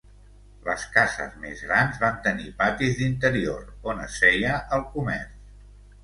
Les cases més grans van tenir patis d'interior on es feia el comerç.